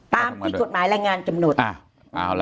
ตามที่กฎหมายรายงานกำหนด